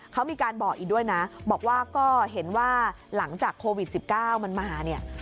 เขามีการบอกอีกด้วยนะบอกว่าก็เห็นว่าหลังจากโควิด๑๙มันมาเนี่ย